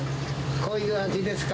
こういう味ですか？